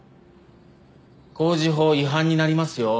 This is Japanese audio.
航時法違反になりますよ。